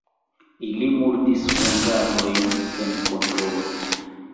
Ili murdis hungarojn sen kontrolo.